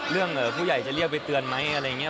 ผู้ใหญ่จะเรียกไปเตือนไหมอะไรอย่างนี้